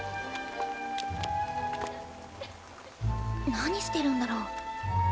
何してるんだろう。